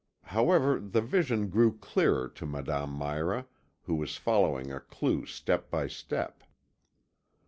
However, the vision grew clearer to Madame Mira, who was following a clue step by step.